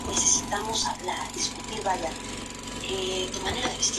Se trata de un núcleo agrícola, con tierras dedicadas al cultivo de viña principalmente.